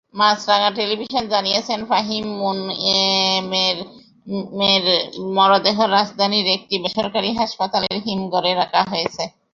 মাছরাঙা television জানিয়েছে, ফাহিম মুনয়েমের মরদেহ রাজধানীর একটি বেসরকারি হাসপাতালের হিমঘরে রাখা হয়েছে।